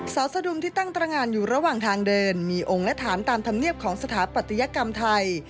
สาวสะดุมที่ตั้งตรงานอยู่ระหว่างทางเดินมีองค์และฐานตามธรรมเนียบของสถาปัตยกรรมไทย